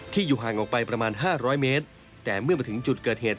อยู่ห่างออกไปประมาณ๕๐๐เมตรแต่เมื่อมาถึงจุดเกิดเหตุ